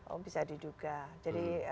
oh bisa diduga